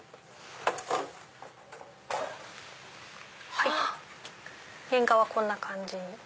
はい原画はこんな感じに。